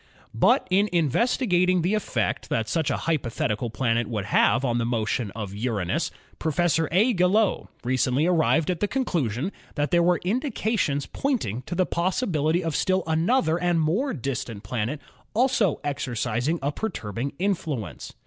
But in investigating the effect that such a hypothetical planet would have on the motion of Uranus, Professor A. Gaillot recently arrived at the conclusion that there were indications pointing to the possibility of still another and more distant planet also exercising a perturbing influence.